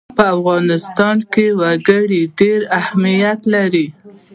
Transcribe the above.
په افغانستان کې وګړي ډېر اهمیت لري.